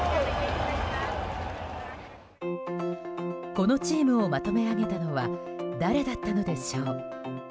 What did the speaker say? このチームをまとめ上げたのは誰だったのでしょう。